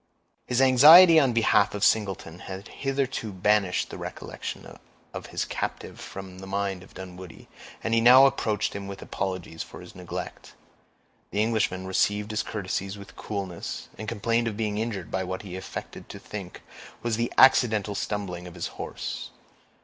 His anxiety on behalf of Singleton had hitherto banished the recollection of his captive from the mind of Dunwoodie, and he now approached him with apologies for his neglect. The Englishman received his courtesies with coolness, and complained of being injured by what he affected to think was the accidental stumbling of his horse.